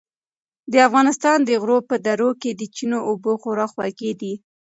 د افغانستان د غرو په درو کې د چینو اوبه خورا خوږې دي.